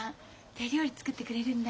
手料理作ってくれるんだ？